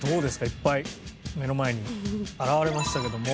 いっぱい目の前に現れましたけども。